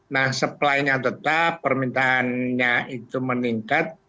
nah supply nya tetap permintaannya itu meningkat